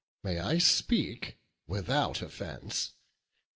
may I speak without offence?